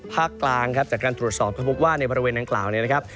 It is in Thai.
ภาคกลางครับจากการตรวจสอบก็พบว่าในบริเวณดังกล่าวเนี่ยนะครับ